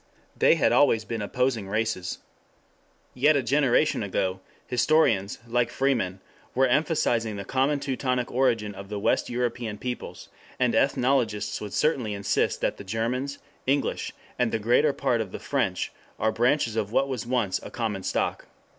They had always been opposing races. Yet a generation ago, historians, like Freeman, were emphasizing the common Teutonic origin of the West European peoples, and ethnologists would certainly insist that the Germans, English, and the greater part of the French are branches of what was once a common stock.